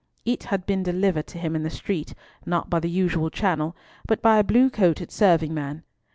It had been delivered to him in the street, not by the usual channel, but by a blue coated serving man.